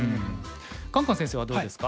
カンカン先生はどうですか？